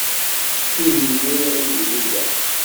Inu uvilu-a.